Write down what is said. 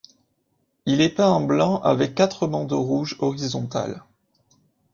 Il est peint en blanc avec quatre bandes rouges horizontales.